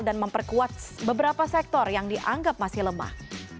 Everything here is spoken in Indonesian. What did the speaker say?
dan memperkuat beberapa sektor yang dianggap masih lemah